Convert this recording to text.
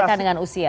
berkaitan dengan usia